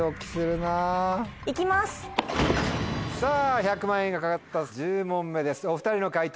１００万円が懸かった１０問目お２人の解答